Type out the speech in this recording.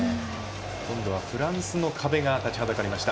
今度はフランスの壁が立ちはだかりました。